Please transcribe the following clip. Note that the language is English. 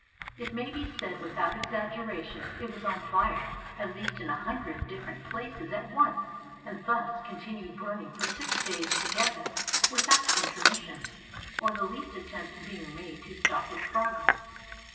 It may be said without exaggeration, it was on fire at least in a hundred different places at once, and thus continued burning for six days together, without intermission, or the least attempt being made to stop its progress.